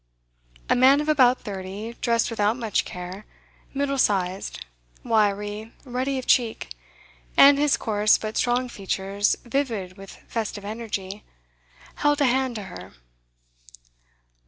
A man of about thirty, dressed without much care, middle sized, wiry, ruddy of cheek, and his coarse but strong features vivid with festive energy, held a hand to her.